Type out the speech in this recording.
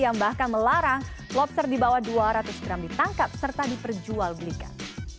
yang bahkan melarang lobster di bawah dua ratus gram ditangkap serta diperjual belikan